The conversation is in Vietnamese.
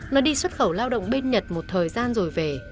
nó đi xuất khẩu lao động bên nhật một thời gian rồi về